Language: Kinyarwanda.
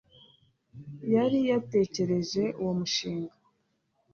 yari yatekereje uwo mushinga